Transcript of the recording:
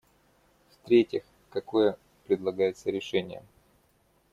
В-третьих, какое предлагается решение?